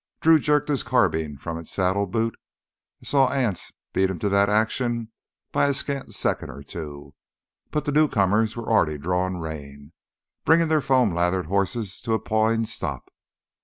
Drew jerked his carbine from its saddle boot, saw Anse beat him to that action by a scant second or two. But the newcomers were already drawing rein, bringing their foam lathered horses to a pawing stop.